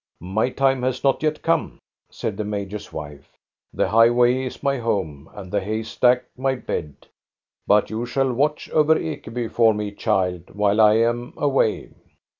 "My time has not yet come," said the major's wife. "The highway is my home, and the haystack my bed. But you shall watch over Ekeby for me, child, while I am away."